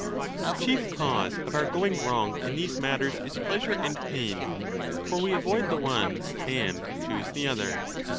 The chief cause of our going wrong in these matters is pleasure and pain ; for we avoid the one and choose the other.